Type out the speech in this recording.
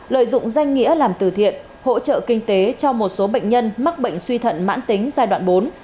lợi dụng danh nghĩa làm từ thiện hỗ trợ kinh tế cho một số bệnh nhân mắc bệnh suy thận mãn tính giai đoạn bốn